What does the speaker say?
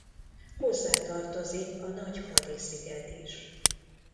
Hozzá tartozik a Nagy Hadi-sziget is.